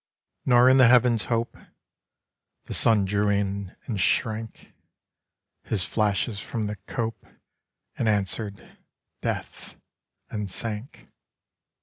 Nor in the Heavens hope. The Sun drew in and shrank His flashes from the cope, And answer'd, 'Death,' and sank.